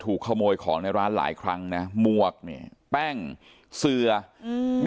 ขโมยของในร้านหลายครั้งนะหมวกเนี่ยแป้งเสืออืม